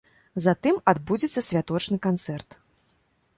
Затым адбудзецца святочны канцэрт.